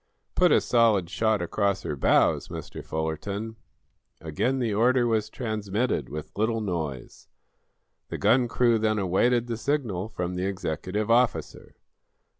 "Put a solid shot across her bows, Mr. Fullerton." Again the order was transmitted, with little noise. The gun crew then awaited the signal from the executive officer.